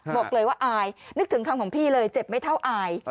บอกเลยว่าอายนึกถึงคำของพี่เลยเจ็บไม่เท่าอาย